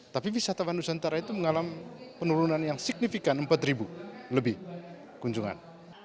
tapi wisatawan nusa tenggara itu mengalami penurunan yang signifikan empat lebih kunjungan